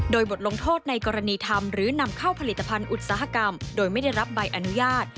โดยบทลงโทษในกรณีทำหรือนำเข้าผลิตภัณฑ์อุตสาหกรรมโดยไม่ได้รับใบอนุญาต